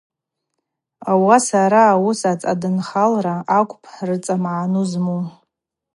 Ауаса араъа ауыс ацадынхалра акӏвпӏ рыцӏа магӏны зму.